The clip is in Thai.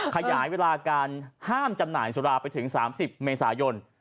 ขยายเวลาการห้ามจำหน่ายสุราไปถึง๓๐เมษายน